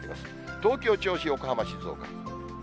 東京、銚子、横浜、静岡。